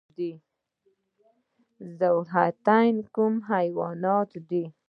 ذوحیاتین کوم حیوانات دي؟